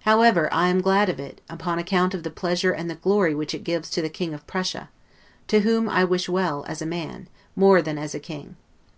However, I am glad of it, upon account of the pleasure and the glory which it gives the King of Prussia, to whom I wish well as a man, more than as a king.